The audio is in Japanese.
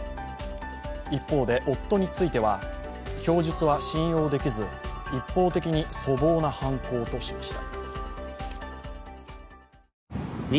一方で夫については供述は信用できず、一方的に粗暴な犯行としました。